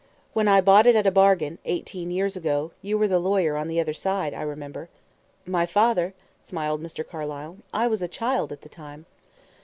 When I bought it at a bargain, eighteen years ago, you were the lawyer on the other side, I remember." "My father," smiled Mr. Carlyle. "I was a child at the time."